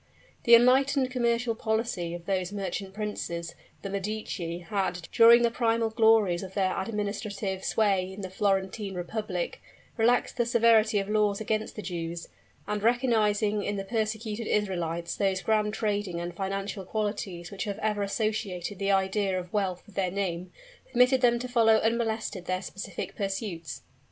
The enlightened commercial policy of those merchant princes, the Medici, had, during the primal glories of their administrative sway in the Florentine Republic, relaxed the severity of the laws against the Jews, and recognizing in the persecuted Israelites those grand trading and financial qualities which have ever associated the idea of wealth with their name, permitted them to follow unmolested their specific pursuits.